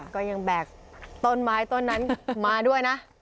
ก็ยังแบกต้นไม้ต้นนั้นมาด้วยนะ